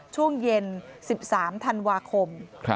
ช่วงเย็น๑๓ธันวาคม